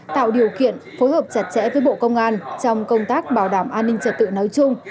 tạo điều kiện phối hợp chặt chẽ với bộ công an trong công tác bảo đảm an ninh trật tự nói chung